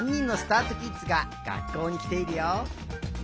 あとキッズががっこうにきているよ。